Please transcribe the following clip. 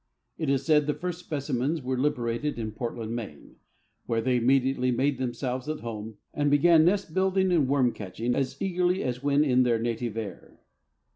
It is said the first specimens were liberated in Portland, Maine, where they immediately made themselves at home, and began nest building and worm catching as eagerly as when in their native air.